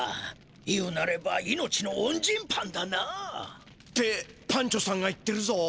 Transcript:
言うなれば命のおん人パンだな。ってパンチョさんが言ってるぞ。